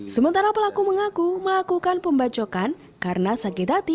sementara pelaku mengaku melakukan pembacokan karena sakit hati